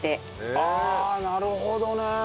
ああなるほどね！